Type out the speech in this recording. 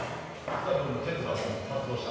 菅田君のケツが発動した。